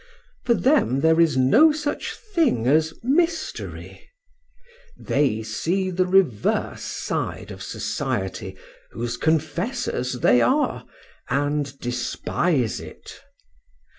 For them there is no such thing as mystery; they see the reverse side of society, whose confessors they are, and despise it.